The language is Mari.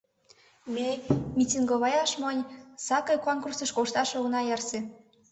Ме митинговаяш монь, сакый кункурсыш кошташ она ярсе.